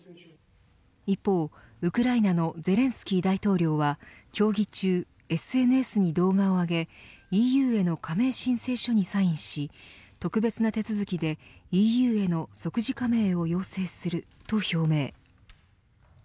一方、ウクライナのゼレンスキー大統領は協議中、ＳＮＳに動画を上げＥＵへの加盟申請書にサインし特別な続きでＥＵへの即時加盟を要請すると表明。